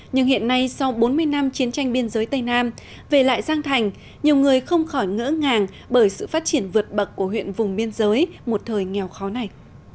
nhưng hiện nay sau bốn mươi năm chiến tranh biên giới tây nam về lại giang thành nhiều người không khỏi ngỡ ngàng bởi sự phát triển vượt bậc của huyện vùng biên giới một thời nghèo khó này